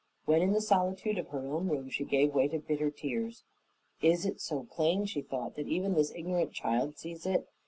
When in the solitude of her own room, she gave way to bitter tears. "Is it so plain," she thought, "that even this ignorant child sees it?